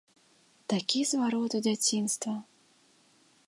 Такі зварот у дзяцінства!